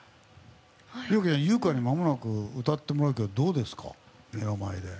由薫にまもなく歌ってもらうけどどうですか？